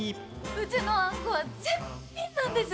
うちのあんこは絶品なんです！